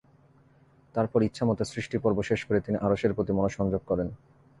তারপর ইচ্ছা মত সৃষ্টি পর্ব শেষ করে তিনি আরশের প্রতি মনোসংযোগ করেন।